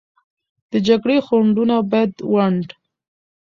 د جګړې خنډونه باید ونډ